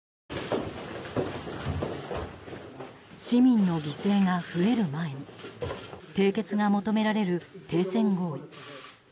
市民の犠牲が増える前に締結が求められる停戦合意。